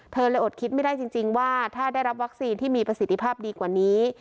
เธอเลยอดคิดไม่ได้จริงว่าถ้าได้รับวัคซีนที่มีประสิทธิภาพดีกว่านี้